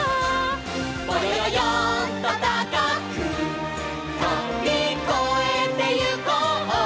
「ぼよよよんとたかくとびこえてゆこう」